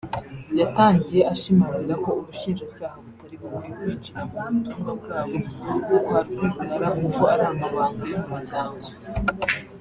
yatangiye ashimangira ko Ubushinjacyaha butari bukwiye kwinjira mu butumwa bw’abo kwa Rwigara kuko ari amabanga y’umuryango